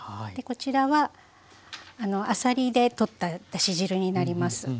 こちらはあさりでとっただし汁になります。